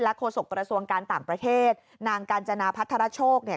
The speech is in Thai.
โฆษกระทรวงการต่างประเทศนางกาญจนาพัทรโชคเนี่ย